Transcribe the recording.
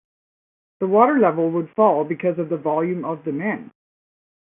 The water level would fall because of the volume of the men.